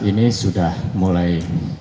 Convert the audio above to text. ini sudah mulai